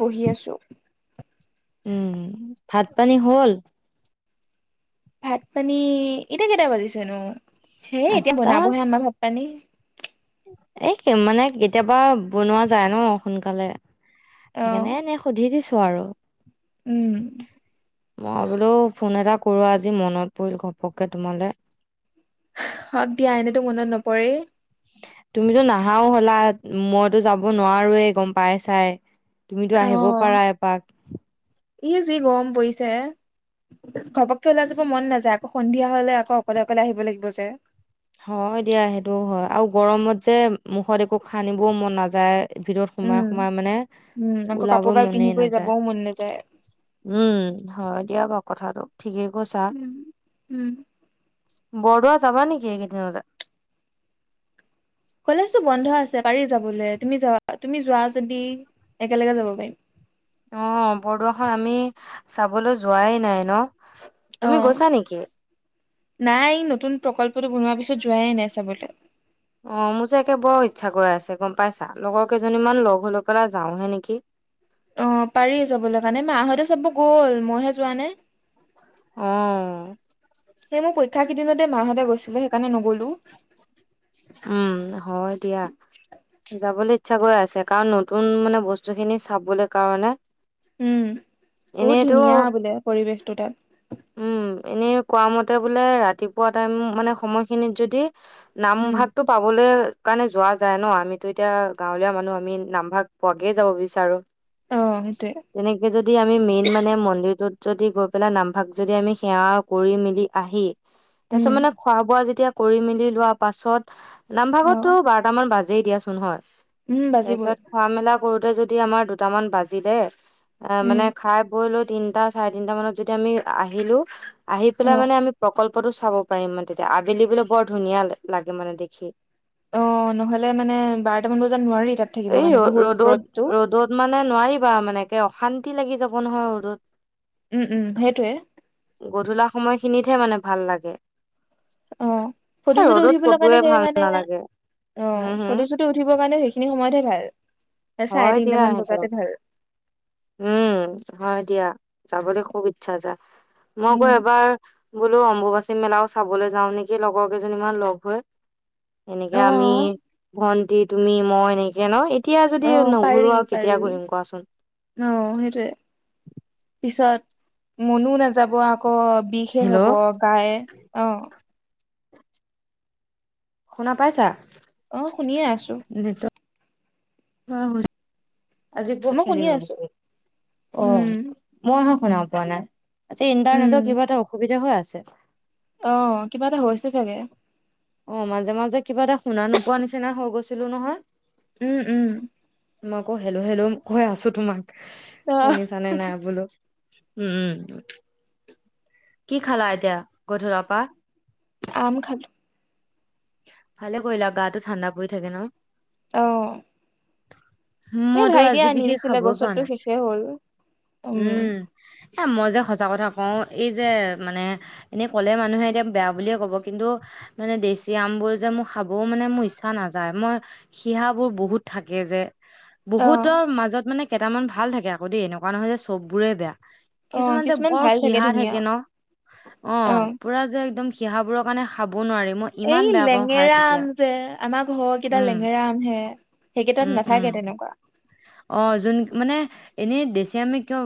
বহি আছোঁ। উম, ভাত পানী হল? ভাত পানী, এতিয়া কেইটা বাজিছেনো? সেই এতিয়া, বনাবহে আমাৰ ভাত পানি। এ মানে, কেতিয়াবা বনোৱা যায় ন সোনকালে। অ সেইকাৰণে এনেই সুধি দিছো। সুধিছো আৰু। উম। মই বোলো, ফোন এটা কৰো আজি, মনত পৰিল ঘপকে তোমালৈ। হওঁক দিয়া, এনেতো মনত নপৰে। তুমিতো নাহাওঁ হলা, মইতো যাব নোৱাৰোৱেই গম পাইছাই। তুমিতো অ আহিব পাৰা, এপাক। ই, যি গৰম পৰিছে, ঘপককে ওলাই যাব মন নাযায়। আকৌ সন্ধিয়া হলে, আকৌ অকলে, অকলে আহিব লাগিব যে। হয়, দিয়া। সেইটোও হয়, আৰু গৰমত যে মুখত একো হানিবও মন নাযায়। ভিতৰত সোমাই, উম সোমাই মানে উম আকৌ ওলাব কাপোৰ গাল মনে পিন্ধি কৰি নাযায়, যাবও মন নাযায় উম, হয় দিয়া বাৰু কথাটো। ঠিকে কৈছা। উম উম বৰদোৱা যাবা নেকি এনেই? নিলে [inaudible] কলেজটো বন্ধ আছে, পাৰি যাবলৈ তুমি যাবা তুমি যোৱা যদি একেলগে যাব পাৰিম। অঁ, বৰদোৱাখন আমি চাবলৈ যোৱাই নাই ন। তুমি অঁ, গৈছা নেকি? নাই নতুন প্ৰকল্পটো বনোৱা পিছত যোৱাই নাই চাবলে। অঁ, মোৰ যে একে বৰ ইচ্ছা কৰি আছে গম পাইছা লগৰ কেইজনীমান লগ হৈ, লৈ পেলাই যাওঁহে নেকি। অ, পাৰি যাবলে কাৰণে মাহঁতে চাব গ'ল মইহে যোৱা নাই। অ। সেই মোৰ পৰীক্ষা কেইদিনতে মাহঁতে গৈছিলে, সেইকাৰণে নগলো। উম, হয় দিয়া। যাবলে ইচ্ছা কৰি আছে। কাৰণ নতুন মানে বস্তু খিনি চাবলে কাৰণে। উম, বহুত এনেইতো ধুনীয়া বোলে পৰিৱেশটো তাত। উম, এনেই কোৱা মতে বোলে ৰাতিপুৱা টাইম মানে সময়খিনিত যদি নাম উম ভাগ ক'বলে কাৰণে যোৱা যায় ন আমিতো এতিয়া গাঁৱলীয়া মানুহ আমি নামভাগ পোৱাকে যাব বিচাৰোঁ। অ সেইটোৱে তেনেকে যদি আমি মেইন মানে মন্দিৰটোত। যদি গৈ পেলাই নামভাগ যদি আমি সেৱা কৰি মেলি আহি তাৰপিছত উম মানে খোৱা বোৱা যেতিয়া কৰি মেলি লোৱা পাছত? অ নামভাগতটো বাৰটামান বাজে। বাজেই দিয়াচোন হয়। উম বাজিবই তাৰপিছত খোৱা মেলা কৰোঁতে যদি আমাৰ দুটামান বাজিলে। অ, উম মানে খাই বৈ লৈ তিনটা চাৰে তিনটা মানত যদি আমি আহিলো। আহি অ পেলাই মানে আমি প্ৰকল্প তো চাব পাৰিম মই তেতিয়া আবেলি বেলি বৰ ধুনীয়া লাগে। লাগে মানে, দেখি। অ নহলে মানে বাৰটামান বজাত নোৱাৰি তাত থাকিবৰ এই কাৰণে বহুত ৰ-ৰ'দত ৰ'দটো ৰ'দত মানে নোৱাৰিবা মানে একে অশান্তি অশান্তি লাগি যাব নহয় ৰ'দত। উম, উম, সেইটোৱে। খিনিতহে মানে ভাল লাগে। অ, ফটো সেই চটো ৰ'দত উঠিবলে কতোৱে মানে সেই ভাল মানে, নালাগে অ' হম হম ফটো-চটো উঠিব কাৰণে সেইখিনি সময়তহে ভাল। চাৰে হয় দিয়া তিনটামান সেইটো বজাতে ভাল। যাবলে খুব ইচ্ছা যা। মই আকৌ উম এইবাৰ বোলো অম্বুবাচী মেলাওঁ চাবলৈ যাওঁ নেকি লগৰ কেইজনীমান লগ হৈ। এনেকে অ আমি ভন ভণ্টি, তুমি, মই এনেকে ন এই এতিয়া যদি অ পাৰি নোঘূৰো আৱ কেতিয়া পাৰি ঘূৰিম কোৱাচোন? অ সেইটোৱে পিছত মনো নেযা যাব আকৌ বিষে হব হেল্ল' গায়ে অ' শুনা পাইছা? অ' শুনিয়ে আছো। [inaudible] আজিটো মই শুনিয়ে খেলিমেলি আছো কৰিলে। অ' উম মই হে শুনা পোৱা নাই। আজি উম ইণ্টাৰনেটৰ কিবা এটা অসুবিধা হৈ আছে। ছে। অ' কিবা এটা হৈছে চাগে। অ' মাজে-মাজে কিবা এটা শুনা নোপোৱা নিচিনা হৈ গৈছিলো নহয়। উম্-উম্। মই আকৌ হেল্ল'-হেল্ল' কৈ আছো তোমাক। অ শুনিছানে নাই বোলো। উম্-উম্। কি খালা এতিয়া? গধূলৰ পৰা আম খালো। ভালে কৰিলা গাটো ঠাণ্ডা পৰি থাকে ন? অ' এই মইতো ভাইটিয়ে আজি আনি বিশেষ দিছিলে খাবই পৰা গছতো নাই। শেষে হ'ল উম উম্ এ মই যে সঁচা কথা কওঁ, এই যে মানে এনেই ক'লে মানুহে এতিয়া বেয়া বুলিয়ে ক'ব কিন্তু মানে দেছি আমবোৰ যে মোৰ খাবও‌ঁ মানে মোৰ ইচ্ছা নাযায়। মই শিহাবোৰ বহুত থাকে যে। অ বহুতৰ মাজত মানে কেইটামান ভাল থাকে আকৌ দেই, এনেকুৱা নহয় যে চববোৰে বেয়া। অ কিছুমান যে বৰ ভাল শিহা ধুনীয়া থাকে ন, অ' পুৰা যে একদম শিহাবোৰৰ কাৰণে খাব নোৱাৰি। মই এই ইমান বেয়া পাওঁ খাই লেঙেৰা তেতিয়া আম যে, আমাৰ ঘৰৰ কেইটা উম লেঙেৰা আম হে। সেইকেইটাত উম উম নাথাকে তেনেকুৱা। অ' যোন মানে এনেই দেচি আমি কিয়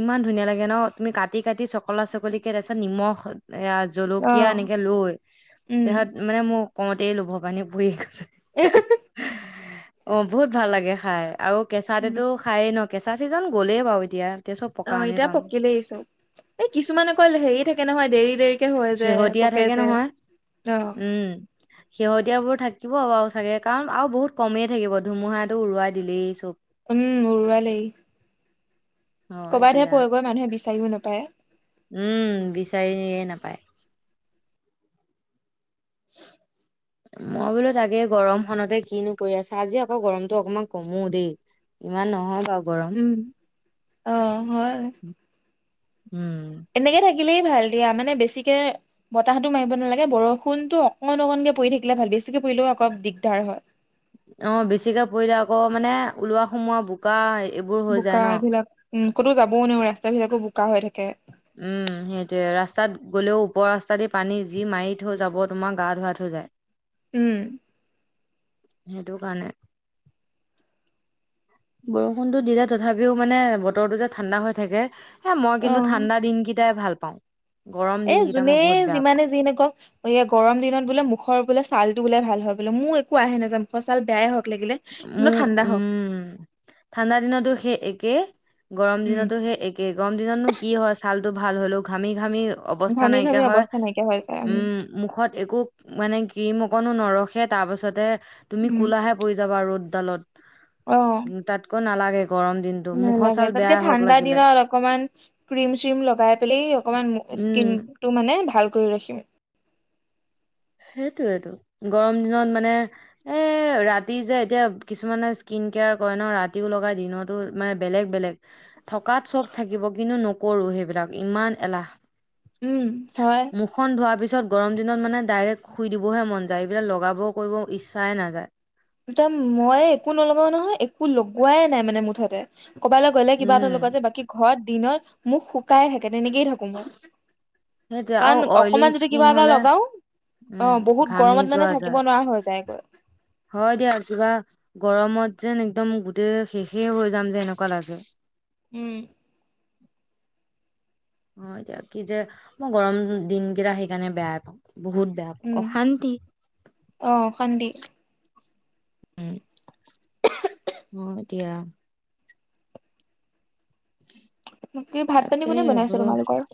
ইমান ধুনীয়া লাগে ন তুমি কাটি-কাটি চকলা-চকলিকে তাৰপিছত নিমখ এয়া অ জলকীয়া এনেকে লৈ উম তাৰপিছত মানে মোক। কওঁতেই লুভৰ পানী পৰি গ'ল। [unintelligible] অ' বহুত ভাল লাগে খাই। আৰু উম কেঁচাতেতো খায়েই ন। কেঁচা চিজন গ'লেই বাৰু এতিয়া এতিয়া চব পকা অ' আমি এতিয়া পাম পকিলেই চোন এই কিছুমান অকল হেৰি থাকে নহয়। দেৰি দেৰি শেহতীয়া থাকে নহয় অ উম শেহতীয়া বোৰ থাকিব বাৰু চাগে, কাৰণ আৰু বহুত কমেই থাকিব ধুমুহাত। টো উৰুৱাই দিলেই চব। উম হয় ক'বাতহে [unintelligible] দিয়া গৈ মানুহে। [inaudible] ব নাপায়। উম বিচাৰিয়ে নাপায়। মই বোলো তাকে, গৰম খনতে কিনো কৰি আছা? আজি আকৌ গৰমটো অকমান কমো দেই, ইমান নহয় বাও। উম অ হয়। উম এনেকে থাকিলেই ভাল। দিয়া মানে বেছিকে বতাহতো মাৰিব নালাগে, বৰষুণতটো অকন অকনকে পৰি থাকিলে ভাল, বেছিকে পৰিলেও অকপ দিগদাৰ হয়। অ বেছিকে পৰিলে আকৌ মানে ওলোৱা সোমোৱা বোকাই বুকা এইবিলাক। উম ক'তো যাবও নোৱাৰো ৰাস্তা বিলাকো বোকা হৈ থাকে। উম সেইটোৱে ৰাস্তাত গ'লেও, ওপৰ ৰাস্তা দি পানী যি মাৰি থৈ যাব, তোমাৰ গা ধোৱা থৈ যায়। উম সেইটো কাৰণে। বৰষুণতো দিলে তথাপিও মানে, বতৰটো যে ঠাণ্ডা হৈ থাকে। এ মই অ কিন্তু ঠাণ্ডা দিন কেইটাই ভাল। পাওঁ। গৰম এ দিনকেইটা যোনে মই বহুত বেয়া যিমানে যি নকওক, এই গৰম দিনত বোলে মুখৰ বোলে। চালটো বোলে ভাল হয় বোলে মোৰ একো আহে নাযায় মুখৰ ছাল বেয়াই হক। উ উম ঠাণ্ডা দিনতো সেই কেই। গৰম উম দিনতো সেই একেই গৰম দিনতনো কি হয় ছাল। টো ভাল হলো ঘামি ঘামি। অৱস্থা ঘামি ঘামি নাইকিয়া হয়, অৱস্থা নাইকিয়া হৈ যায় উম মুখত একো। মানে ক্ৰীম অকনো নৰখে তাৰ পাছতে তুমি উম কোলাহে পৰি ৰদ ডালত। অ উম তাতকৈ নালাগ নালাগে তাতকে ঠাণ্ডা লাগিলে দিনত অকমান ক্ৰীম চ্ৰীম লগাই পেলাই অকমান উম স্কিন টো মানে ভাল কৰি ৰাখিম। এটোৱেটো, গৰম দিনত মানে এ, ৰাতি যে এতিয়া কিছুমানে স্কিন কেয়াৰ কৰে ন, ৰাতিও লগাই দিনতো, মানে বেলেগ বেলেগ। থকাত চব থাকিব কিন্তু নকৰো সেই এইবিলাক ইমান এলাহ। উম হয় মুখখন ধোৱাৰ পিছত গৰম দিনত মানে ডাইৰেক্ট শুই দিবহে মন যায় এইবিলাক লগাব কৰিব ইচ্ছাই নাযায়। ময়ে একো নলগাও নহয় একো লগোৱাই নাই মানে মুঠতে। ক'বালে গ'লে কিবা এটা উম লগোৱা যে বাকী ঘৰত দিনত মোক শুকাই হে। তেনেনেকেই থাকো মই সেইটোয়ে কাৰণ আৰু অইলি অকমান যদি স্কিন কিবা এটা হলে লগাও উম অহ বহুত ঘামি গৰমত মানে যোৱা থাকিব যায় নোৱাৰা হৈ যায়গৈ। হয় দিয়া কিবা গৰমত যেন একদম গোটেই শেষে হৈ যাম যে এনেকুৱা লাগে। উম। অহ এতিয়া কি যে মই গৰম দিনকেইটা সেইকাৰণে বেয়াই পাওঁ। বহুত বেয়া উম অশান্তি। অ অশান্তি উম অহ এতিয়া বাকি ভাত পানী তাকে কোনে বনাইছে বোলো তোমালোকৰ?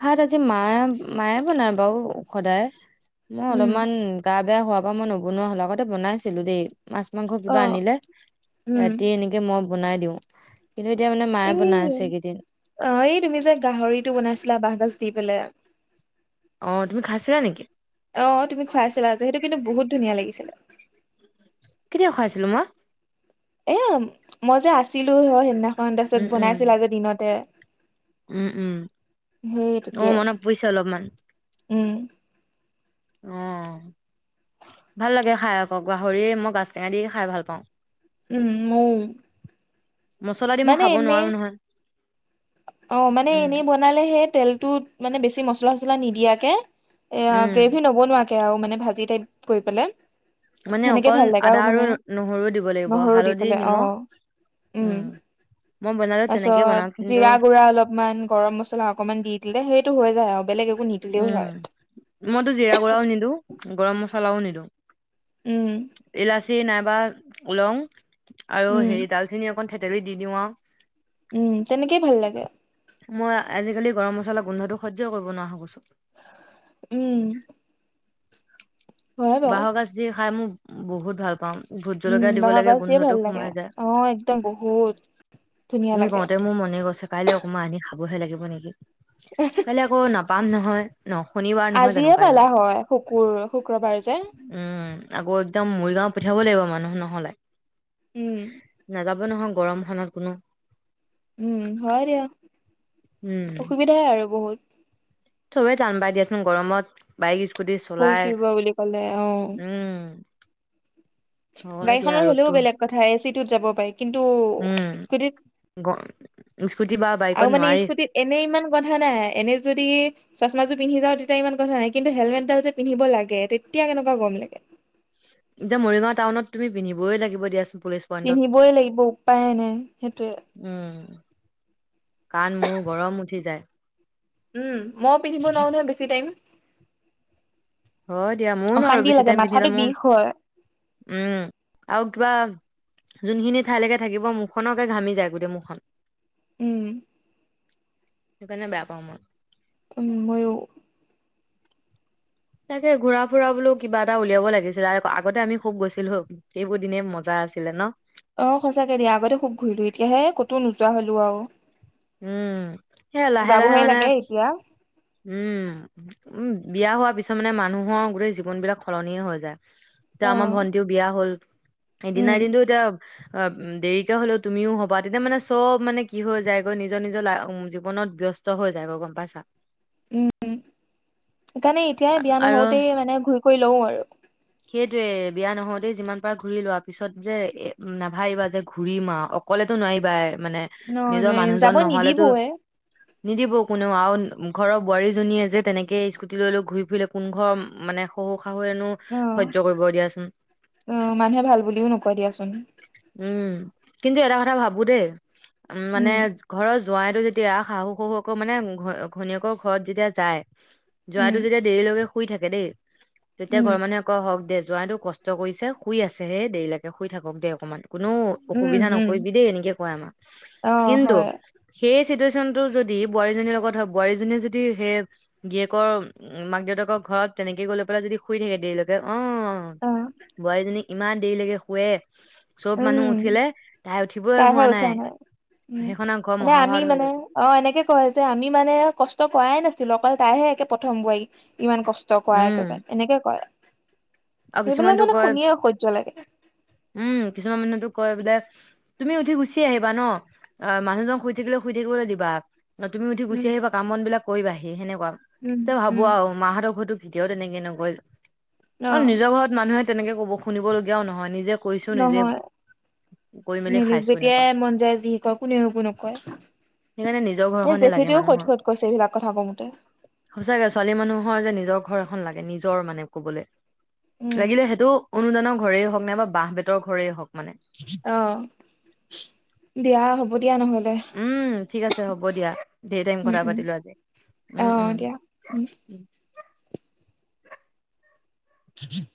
ভাত আজি মায়ে মায়ে বনাই বাৰু সদায়। মই উম অলপমান গা বেয়া হোৱা অহ মই নবনোৱা হ'লো আগতে বনাইছিলো দেই। মাছ মাংস কিবা অ আনিলে উম ৰাতি এনেকে মই বনাই দিওঁ কিন্তু এতিয়া মানে মায়ে এই বনাই আছে এইকেইদিন অহ এই তুমি যে গাহৰিতটো বনাইছিলা বাহগাজ দিপেলাই। অহ তুমি খাইছিলা নেকি। অহ তুমি খুৱাইছিলা যে সেইটো কিন্তু বহুত ধুনীয়া লাগিছিলে। কেতিয়া খুৱাইছিলো মই। এই মই যে আছিলো হয় সেইদিনা ত তাৰপাছত উম উম বনাইছিলা যে দিনতে। উম উম সেই অ তেতিয়া মনত পৰিছে অলপমান উম অ ভাল লাগে খাই আকৌ গাহৰিয়ে মই গাছ টেঙা দি খাই ভাল পাওঁ। উম ম মছলা দি মই মানে খাব এনে নোৱাৰো নহয় অ মানে উম, এনেই বনালেহে তেলটোত মানে বেছি মছলা চছলা নিদিয়াকে এ উম, গ্ৰেভি নবনোৱা কেও মানে ভাজি টাইপ কৰি পেলাই মানে সেনেকে অকল ভাল লাগে আদা আৰু মানে নহৰু দিব লাগিব নহৰু দি হালধি পেলাই অ নিমখ উম মই বনালে তেনেকে বনাওঁ তাৰপিছত কিন্তু জিৰা গুৰা অলপমান গৰম মছলা অকনমান দি দিলে সেইটো হৈ যায় আৰু বেলেগ একো নিদিলেও হয় উম মইতো জিৰা গুড়ও নিদো গৰম মছলা চলাও নিদো উম যে নাইবা ওলং আৰু উম হেৰি ডালচেন অন থতেলি দি দিওঁ উম তেনেকেই ভাল লাগে মই আজিকালি গৰম মছলা গোন্ধটো সহ্য কৰিব নোৱাৰা গৈছো [inaudible] উম হয় বাৰু বাহগছ যি খাই মোক বহুত ভাল পাওঁ ভোট উম জলকীয়া দিব বহৰ লাগে গছ দিয়ে গোন্ধটো ভাল লাগে সোমাই যায়। অ একদম বহুত ধুনীয়া তুমি লাগে কওঁতে মোৰ মনে গৈছে কাইলৈ অকণমান আনি খাবহে লাগিব নেকি কাললে ক নাপ [unintelligible] পান নহয় ন শনিবাৰ নহয় জানো আজিয়ে কাইলৈ? পালা হয় শুকুৰ শুক্ৰবাৰ যে উম, আকৌ একদম মৰিগাঁও পঠিয়াব লাগিব মানুহ নহলে উম নাযাব নহয় গৰমখনত কোনো উম বাৰ [unintelligible] য়া উম, অসুবিধাই আৰু বহুত চবে টান বাই দিয়াচোন গৰমত বঢাইি গৈছ শুই শুব বুলি কলে আহ উম। হয় গাড়ীখত দিয়া ৰ'দটো হ'লেও বেলেগ কথা আহছে চিটটোত যাব পাইক কিন্তু উম, স্কুটিত গ স্কুটি বা আৰু বাইকত মানে নোৱাৰি স্কুটিত এনে ইমান গন্ধা নাই এনে যদি চচমাযোৰ পিন্ধি যাওঁ তেতিয়া ইমান কথা নাই কিন্তু হেলমেটডাল যে পিন্ধিব লাগে তেতিয়া কেনেকুৱা গৰম লাগে এতিয়া মৰিগাঁও টাউনত তুমি পিন্ধিবই লাগিব দিয়াচোন পুলিচ পইণ্টত পিন্ধিবই লাগিব উপায়েনে সেইটোোৱে কণ মোৰ গৰম উঠি যায় উম ময়ো পিন্ধিব নোৱাৰো নহয় বেছি টাইম অ দিয়া মোৰ ন আৰু অশান্তি বেছি লাগে টাইম পিন্ধি ল মাথাটো মোৰ বিষ হয়। উম আৰু কিবা যোনখিনি ঠাইলৈকে থাকিব মুখখনকে ঘামি যায় গোটেই মুখখন উম সকাৰনে বেয়া পাওঁ মই তুমি ময়ো তাকে ঘূৰা ফুৰা বোলো কিবা এটা উলিয়াব লাগিছিলে আগতে আমি খুব গৈছিলো সেইবোৰ দিনে মজা আছিলে ন অ সঁচাকে দিয়া আগতে খুব ঘূৰিলো এতিয়াহে কতো নোযোৱা হলো আৰু উম সেয়া লাহে লাহে যাবহে মানে লাগে এতিয়া উম উম বিয়া হোৱাৰ পিছত মানে মানুহৰ গোটেই জীৱন বিলাক সলনি হৈ যায় এয়া আমাৰ অ', ভন্টিও বিয়া হ'ল এদিনা উম দিলোঁ জম অ উ দেৰিকা হলেও তুমিও হবা তেতিয়া মানে চব মানে কি হৈ যায় নিজৰ নিজৰ ল জীৱনত ব্যস্ত হৈ যায় গ গম পাইছা উম সেইকাৰণে এতিয়াই বিয়া আৰু নহওঁতেই মানে ঘূৰি কৰি লও আৰু সেইটোয়ে বিয়া নহ দেই যিমান পাৰ ঘূৰি লোৱা পিছত যে নাভাবিবা যে ঘূৰিমা অকলেতো নোৱাৰিবা এ মানে ন নিজৰ নোৱাৰি মানুহজন যাব নহলেতো নিদিবই। নিদিব কোনেও আৰু ঘৰৰ বোৱাৰীজনীয়ে যে তেনেকে স্কুটি লৈ লো ঘূৰি ফুৰিলে কোন ঘৰ মানে শ শাহুনো অ সহ্য কৰিব দিয়াচোন অ মানুহে ভাল বুলিও নকয় দিয়াচোন উম কিন্তু এটা কথা ভাবো দেই উম মানে ঘৰ জোৱাইতো যেতিয়া শাহু শহু আক মানে ঘ ঘনীয়েকৰ ঘৰত যেতিয়া যায় জয় উম, টো যেতিয়া দেৰি লগকে শু থাকে দেই তেতিয়া উম, ঘৰৰ মানুহে আকৌ হওক দে যোৱাইটো কষ্ট কৰিছে শুই আছে হেই দেৰিলৈকে শুই থাকক দে অকণমান কোনো উম, অসুবিধা উম, নকৰিবি দেই এনেকে কয় আমাক অ', কিন্তু হয়, সেই চিটুৱেচন টো যদি বোৱাৰীজনীৰ লগত হয় বোৱাৰীজনীয়ে যদি সেই গীয়েকৰ উ মাক দেউতাকৰ ঘৰত তেনেকে গৈ পেলাই যদি শুই থাকে দেৰিলৈ অ অ', বাইদিনী ইমান দেৰিলৈকে শুৱে চব মানুহ উম উঠিলে তাই উঠিবই হোৱা তাৰহে উঠা নাই উম সেইখন আৰু ঘৰ মানে আমি মহাভাৰত হৈ মানে যাব অ এনেকে কয় যে আমি মানে কষ্ট কৰাাই নাছিলো অ তাইহে একে প্ৰথম বোৱাৰী ইমান কষ্ট কষ্ট কৰা উম একেবাৰে এনেকে কয় আৰু সেইবিলাক কিছুমানতো মানে কয় শুনিয়ে অ অসহ্য লাগে উম কিছুমান মানুহেতো কয় বোলে তুমি উঠি গুচি আহিবা ন অ মানুহজন শুই থাকিলে শুই থাকিবলৈ দিবা তুমি উঠি গুচি উম, আহিবা কামন বিলাক কৰিবাহি সেনেকৈ উম, এতিয়া ভাবো উম, আৰু মাহঁতক হয়তো এতিয়াও তেনেকে নকয়। অ নিজৰ ঘৰত মানুহে তেনেকে ক'ব শুনিবলগীয়াও নহয় নিজে কৰিছো নিজে নহয় কৰি মেলি মিলি খাইছো এনেকুৱা যেতিয়াই মন যায় যি শ কয় কোনেও এক একো নকয় সেইকাৰণে নিজৰ এই ঘৰখনে লাগে জেখেতিও মানুহৰ শতসত কৰিছে এইবিলাক কথা কমতে সঁচাকে ছোৱালী মানুহৰ যে নিজৰ ঘৰ লাগে নিজৰ মানে ক'বলৈ উম, লাগিলে সেইটো অনুদানৰ ঘৰেই হওক নে বা বাঁহ বেতৰ ঘৰেই হক মানে অ দিয়া হ'ব দিয়া নহ'লে উম ঠিক আছে হ'ব দিয়া ৰ টাইম উম, কথা উম, পাতিলো আজি উম অ', দিয়া উম [unintelligible]